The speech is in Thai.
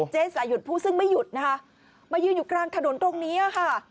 หยุดผู้ซึ่งไม่หยุดนะคะมายืนอยู่กลางถนนตรงนี้ค่ะ